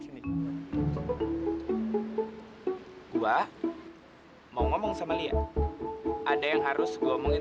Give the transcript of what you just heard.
cepet cepet cepet aduh bagaimana ini